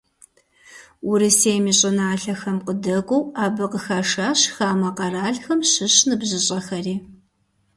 Урысейм и щӀыналъэхэм къыдэкӀуэу, абы къыхашащ хамэ къэралхэм щыщ ныбжьыщӀэхэри.